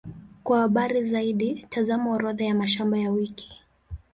Kwa habari zaidi, tazama Orodha ya mashamba ya wiki.